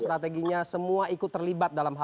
strateginya semua ikut terlibat dalam